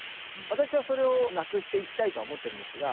私はそれをなくしていきたいとは思ってるんですが。